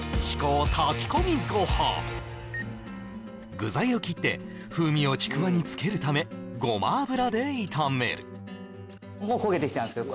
具材を切って風味をちくわにつけるためごま油で炒めるもう焦げてきたんですけど